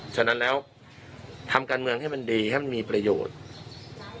ฉะนั้นแล้วทำการเมืองให้มันดีให้มันมีประโยชน์